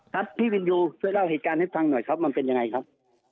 ครับพี่วินยูช่วยเล่าเหตุการณ์ให้ฟังหน่อยครับมันเป็นยังไงครับ